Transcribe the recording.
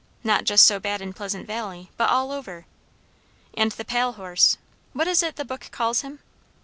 not just so bad in Pleasant Valley, but all over. And the pale horse what is it the book calls him?